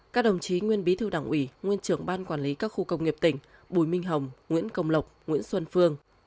các đồng chí nguyên bí thư đảng ủy nguyên trưởng ban quản lý các khu công nghiệp tỉnh bùi minh hồng nguyễn công lộc nguyễn xuân phương